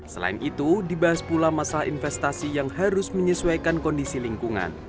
selain itu dibahas pula masalah investasi yang harus menyesuaikan kondisi lingkungan